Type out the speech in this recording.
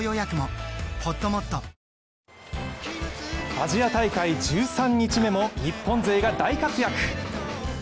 アジア大会１３日目も、日本勢が大活躍。